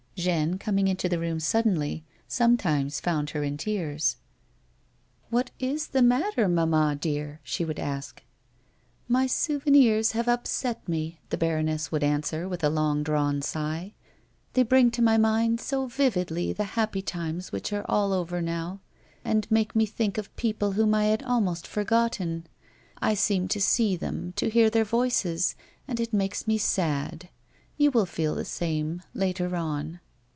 Jeanne, coming into the room suddenly, sometimes found her in tears. " What is the matter, mamma, dear ?" she would ask. " My souvenirs have upset me," the baroness would answer, with a long drawn sigh. " They bring to my mind so vividly the happy times which are all over now, and 150 A WOMAN'S LIFE. make me think of people whom I had almost forgotten. I seem to see them, to hear their voices, and it makes me sad. You will feel the same, later on."